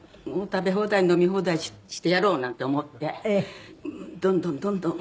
食べ放題飲み放題してやろうなんて思ってどんどんどんどん。